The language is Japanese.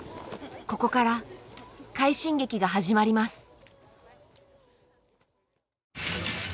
ここから快進撃が始まります。